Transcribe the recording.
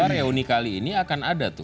dua ratus dua belas reuni kali ini akan ada